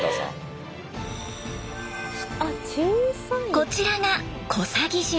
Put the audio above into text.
こちらが小佐木島。